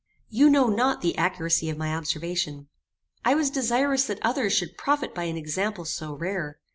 "You know not the accuracy of my observation. I was desirous that others should profit by an example so rare.